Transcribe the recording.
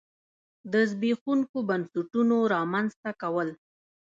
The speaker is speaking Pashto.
د زبېښونکو بنسټونو رامنځته کول.